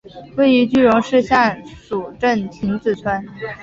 位于句容市下蜀镇亭子村。